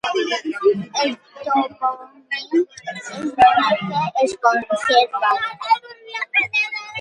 El topònim és l'únic que es conserva.